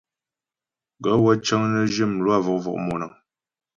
Gaə̂ wə́ cəŋ nə zhyə mlwâ vɔ̀k-vɔ̀k monaə́ŋ.